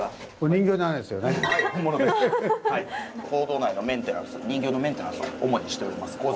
坑道内のメンテナンス人形のメンテナンスを主にしております